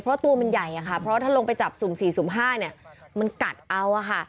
เพราะตัวมันใหญ่เพราะถ้าลงไปจับสูง๔๕มันกัดเอา